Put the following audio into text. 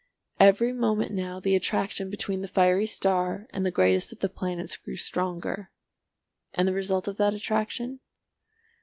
Every moment now the attraction between the fiery star and the greatest of the planets grew stronger. And the result of that attraction?